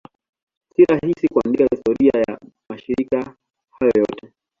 Si rahisi kuandika historia ya mashirika hayo yote.